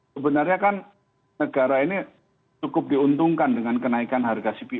sebenarnya kan negara ini cukup diuntungkan dengan kenaikan harga cpo